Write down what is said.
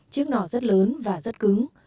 chiếc nỏ rất lớn và rất khó